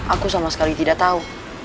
aku sama sekali tidak tahu